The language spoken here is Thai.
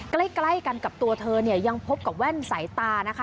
ใกล้กันกับตัวเธอเนี่ยยังพบกับแว่นสายตานะคะ